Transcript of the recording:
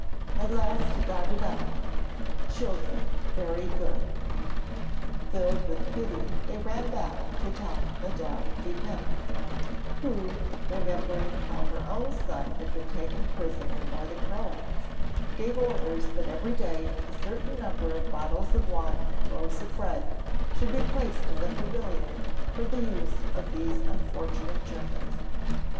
At last he got it out: 'Children very good.' Filled with pity they ran back to tell Madame Dupin, who, remembering how her own son had been taken prisoner by the Croats, gave orders that every day a certain number of bottles of wine and loaves of bread should be placed in the pavilion for the use of these unfortunate Germans.